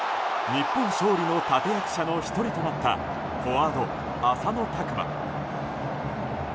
日本勝利の立役者の１人となったフォワード浅野拓磨。